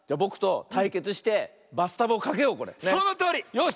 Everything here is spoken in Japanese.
よし！